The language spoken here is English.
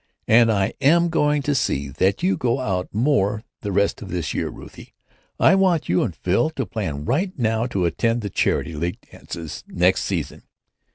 And I am going to see that you go out more the rest of this year, Ruthie. I want you and Phil to plan right now to attend the Charity League dances next season.